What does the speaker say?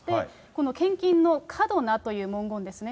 この献金の過度なという文言ですね。